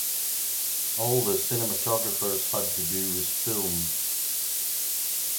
All the cinematographers had to do was film.